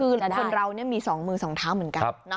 คือคนเรามี๒มือ๒เท้าเหมือนกัน